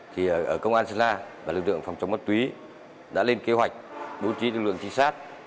thì ở công an sơn la và lực lượng phòng chống ma túy đã lên kế hoạch bố trí lực lượng trinh sát